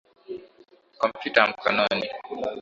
Kompyuta ya mkononi.